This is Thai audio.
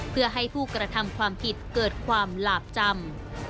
เพื่อให้ผู้กระทำความผิดเกิดความหลาบจำ